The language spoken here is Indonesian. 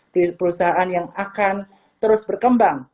perusahaan yang akan terus berkembang